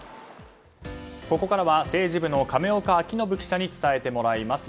ここからは政治部の亀岡晃伸記者に伝えてもらいます。